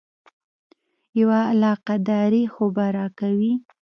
یوه علاقه داري خو به راکوې.